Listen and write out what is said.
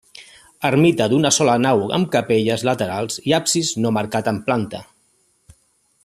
Ermita d'una sola nau amb capelles laterals i absis no marcat en planta.